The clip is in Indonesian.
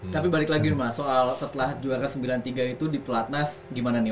tapi balik lagi mas soal setelah juara sembilan puluh tiga itu di pelatnas gimana nih